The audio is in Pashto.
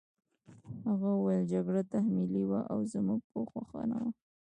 هغه وویل جګړه تحمیلي وه او زموږ په خوښه نه وه